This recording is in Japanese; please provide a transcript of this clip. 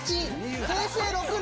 平成６年。